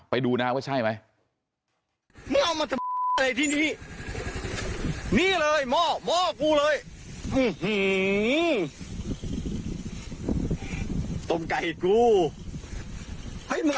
ไปดูนะก็ใช่ไหม